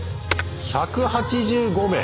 １８５名。